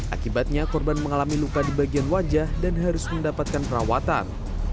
akibatnya korban mengalami luka di bagian wajah dan harus mendapatkan perawatan